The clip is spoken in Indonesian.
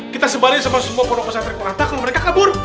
kita sembarin semua ponoko satrik mata kalo mereka kabur